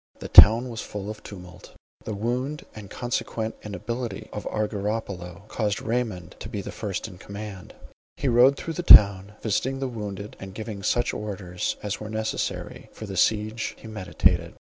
The town was full of tumult. The wound, and consequent inability of Argyropylo, caused Raymond to be the first in command. He rode through the town, visiting the wounded, and giving such orders as were necessary for the siege he meditated.